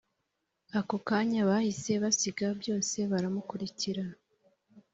” ako kanya bahise basiga byose baramukurikira